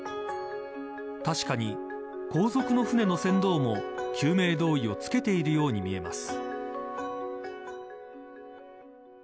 確かに、後続の舟の船頭も救命胴衣を着けているように見えます。